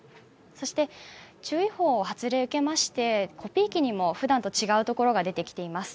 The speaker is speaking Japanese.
そして注意報の発令を受けまして、コピー機にもいつもと違うところが出ています。